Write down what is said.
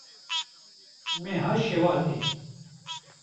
Meha Şewatê